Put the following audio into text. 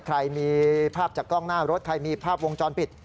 ใครมีภาพจากกล้องหน้ารถใครมีภาพวงจรปิด